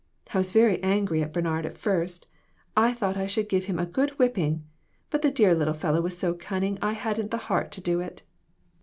I was very angry at Bernard at first. I thought I should give him a good whipping, but the dear little fellow was so cunning I hadn't the heart to do it.